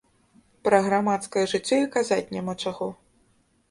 Пра грамадскае жыццё і казаць няма чаго.